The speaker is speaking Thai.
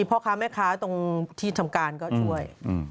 พ่อค้าแม่ค้าตรงที่ทำการก็ช่วย